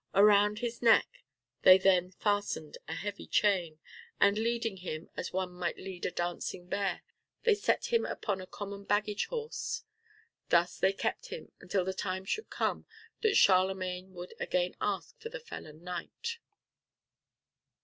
Around his neck they then fastened a heavy chain, and leading him as one might lead a dancing bear, they set him upon a common baggage horse. Thus they kept him until the time should come that Charlemagne would ask again for the felon knight.